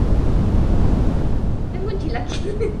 Las negociaciones se prolongaron durante los próximos dos años.